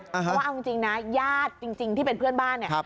เพราะว่าเอาจริงนะญาติจริงที่เป็นเพื่อนบ้านเนี่ย